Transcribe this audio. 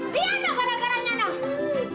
dia yang bikin gara gara nya mak